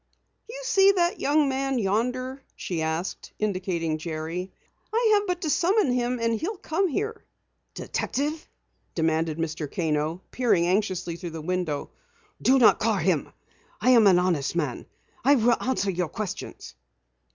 "You see that young man yonder?" she asked, indicating Jerry. "I have but to summon him and he'll come here." "Detective?" demanded Mr. Kano, peering anxiously through the window. "Do not call him! I am an honest man. I will answer your questions."